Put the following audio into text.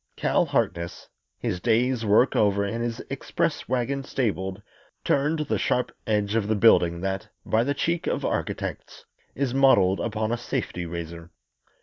Cal Harkness, his day's work over and his express wagon stabled, turned the sharp edge of the building that, by the cheek of architects, is modelled upon a safety razor.